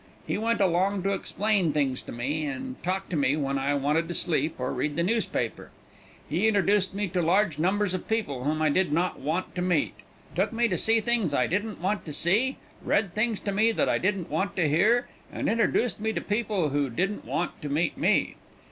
He went along to explain things to me, and talk to me when I wanted to sleep or read the newspaper. He introduced me to large numbers of people whom I did not want to meet, took me to see things I didn't want to see, read things to me that I didn't want to hear, and introduced to me people who didn't want to meet me.